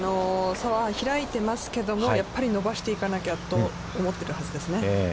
差は開いてますけども、やっぱり伸ばしていかなきゃと思っているはずですね。